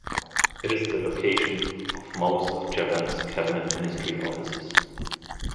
It is the location of most of Japan's cabinet ministry offices.